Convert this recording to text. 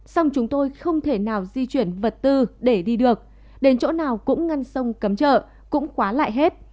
song chúng tôi không thể nào di chuyển vật tư để đi được đến chỗ nào cũng ngăn sông cấm trợ cũng khóa lại hết